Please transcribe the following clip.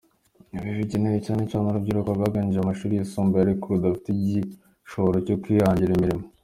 Ibi bigenewe cyane cyane urubyiruko rwarangije amashuli yisumbuye ariko rudafite igishoro cyo kwihangira imirimo.